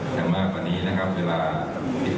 ยังมากกว่านี้นะครับเวลา๑๗ไทยกาล